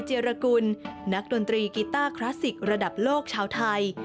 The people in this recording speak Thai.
เจรกุลนักดนตรีกีต้าคลาสสิกระดับโลกชาวไทย